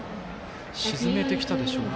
沈めてきたでしょうかね。